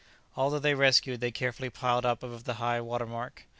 All that they rescued they carefully piled up above high water mark.